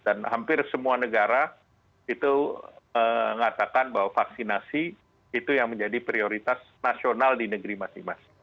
dan hampir semua negara itu mengatakan bahwa vaksinasi itu yang menjadi prioritas nasional di negeri masing masing